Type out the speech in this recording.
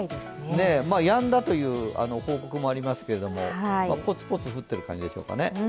やんだという報告もありますけれども、ポツポツ降っている感じでしょうかね。